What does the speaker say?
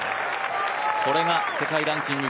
これが世界ランキング